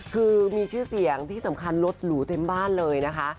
คือมีชื่อเสียงที่สำคัญรถหรูเต็มบ้านเลยนะคะ